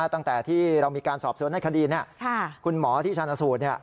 ตั้งแต่ที่เรามีการสอบสวนในคดีคุณหมอที่ชาญสูตร